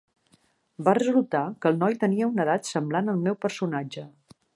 Va resultar que el noi tenia una edat semblant al meu personatge.